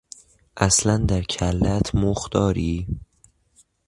اصلا در کلهات مخ داری؟